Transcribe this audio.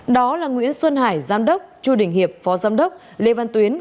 đó là nguyễn xuân hải giam đốc chu đình hiệp phó giam đốc lê văn tuyến